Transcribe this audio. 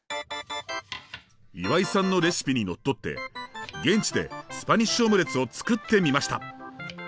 岩井さんのレシピにのっとって現地でスパニッシュオムレツを作ってみました。